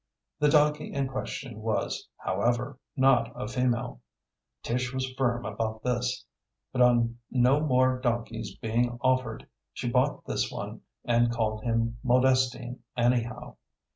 The donkey in question was, however, not a female. Tish was firm about this; but on no more donkeys being offered, she bought this one and called him Modestine anyhow.